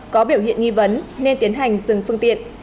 có biểu hiện nghi vấn nên tiến hành dừng phương tiện